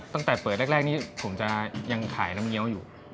ตั้งแต่เปิดแรกนี้ผมจะยังขายน้ำเงี้ยวอยู่